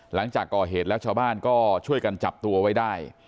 หลังจากก่อเหตุแล้วชาวบ้านก็ช่วยกันจับตัวไว้ได้